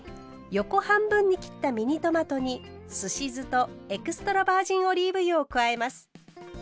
横半分に切ったミニトマトにすし酢とエクストラバージンオリーブ油を加えます。